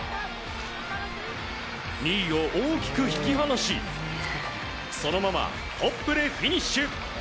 ２位を大きく引き離しそのままトップでフィニッシュ！